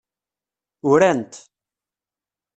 Uran-t.